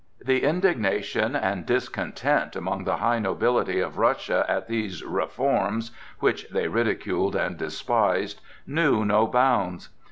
The indignation and discontent among the high nobility of Russia at these "reforms"—which they ridiculed and despised—knew no bounds.